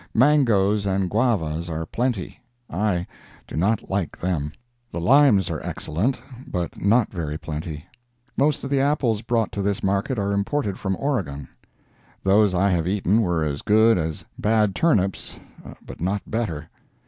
Mangoes and guavas are plenty. I do not like them. The limes are excellent, but not very plenty. Most of the apples brought to this market are imported from Oregon. Those I have eaten were as good as bad turnips, but not better.